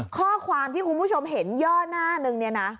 ข้อความที่คุณผู้ชมเห็นย่อหน้านึงเนี่ยนะ